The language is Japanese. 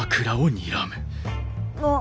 もう！